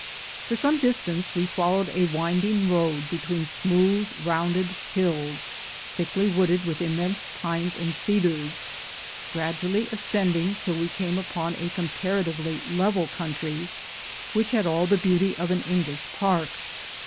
For some distance we followed a winding road between smooth rounded hills, thickly wooded with immense pines and cedars, gradually ascending till we came upon a comparatively level country, which had all the beauty of an Englisli park.